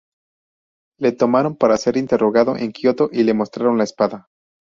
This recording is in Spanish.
Le tomaron para ser interrogado en Kioto y le mostraron la espada.